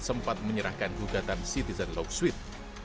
sempat menyerahkan gugatan citizen law sweet